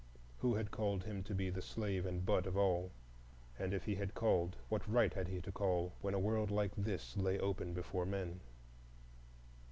Who had called him to be the slave and butt of all? And if he had called, what right had he to call when a world like this lay open before men?